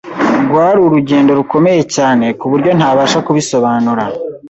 rwari urugendo rukomeye cyane ku buryo ntabasha kubisobanura